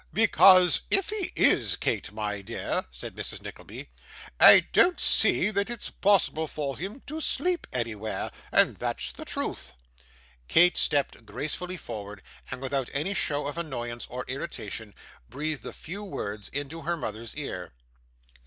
'Because, if he is, Kate, my dear,' said Mrs. Nickleby, 'I don't see that it's possible for him to sleep anywhere, and that's the truth.' Kate stepped gracefully forward, and without any show of annoyance or irritation, breathed a few words into her mother's ear.